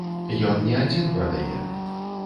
Ён не адзін прадае.